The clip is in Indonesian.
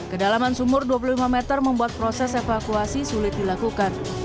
kedalaman sumur dua puluh lima meter membuat proses evakuasi sulit dilakukan